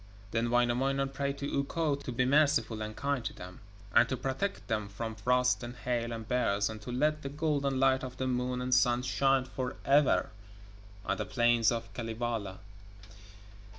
Then Wainamoinen prayed to Ukko to be merciful and kind to them, and to protect them from frost and hail and bears, and to let the golden light of the Moon and Sun shine for ever on the plains of Kalevala.